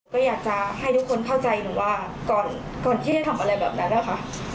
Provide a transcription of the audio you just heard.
ก็อยากจะให้ทุกคนเข้าใจหนูว่าก่อนที่จะทำอะไรแบบนั้นนะคะ